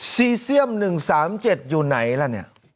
ซีเซียม๑๓๗อยู่ไหนล่ะเนี่ย